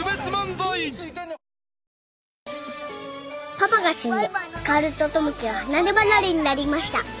［パパが死んで薫と友樹は離れ離れになりました］